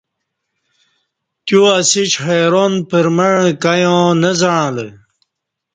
تیو اسیش حیران پرمع کایوں نہ ز عݩلہ